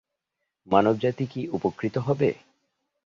মানবজাতি কি উপকৃত হবে?